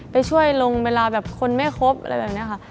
ไปช่วยลงเวลาแบบคนไม่ครบอะไรแบบนี้ค่ะ